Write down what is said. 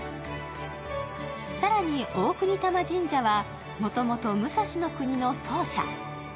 更に大國魂神社はもともと武蔵国の総社。